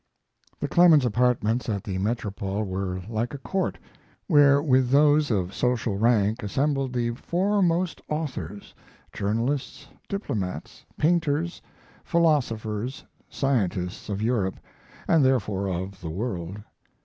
The Clemens apartments at the Metropole were like a court, where with those of social rank assembled the foremost authors, journalists, diplomats, painters, philosophers, scientists, of Europe, and therefore of the world.